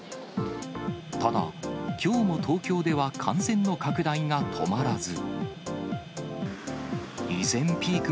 ただ、きょうも東京では感染の拡大が止まらず。